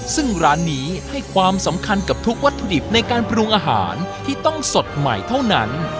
ซึ่งร้านนี้ให้ความสำคัญกับทุกวัตถุดิบในการปรุงอาหารที่ต้องสดใหม่เท่านั้น